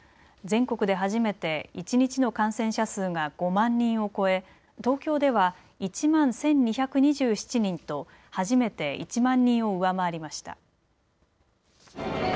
全国で初めて一日の感染者数が５万人を超え、東京では１万１２２７人と初めて１万人を上回りました。